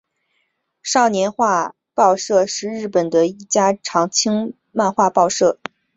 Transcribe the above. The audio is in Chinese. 少年画报社是日本的一家长青漫画出版社。